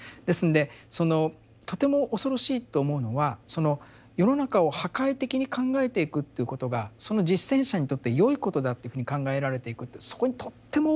ですんでそのとても恐ろしいと思うのはその世の中を破壊的に考えていくということがその実践者にとってよいことだっていうふうに考えられていくって